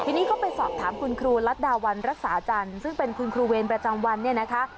ทีนี้ก็ไปสอบถามคุณครูรัฐดาวันรักษาจันทร์ซึ่งเป็นคุณครูเวรประจำวันเนี่ยนะคะ